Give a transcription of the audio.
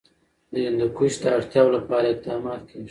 د هندوکش د اړتیاوو لپاره اقدامات کېږي.